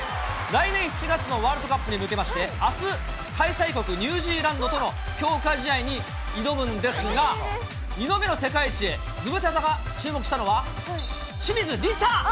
来年７月のワールドカップに向けまして、あす、開催国、ニュージーランドとの強化試合に挑むんですが、２度目の世界一へ、ズムサタが注目したのは、清水梨紗。